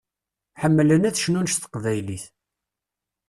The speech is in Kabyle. Ḥemmlen ad cnun s teqbaylit.